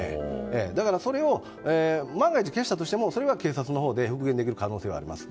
だからそれを万が一消したとしてもそれは警察のほうで復元できる可能性があります。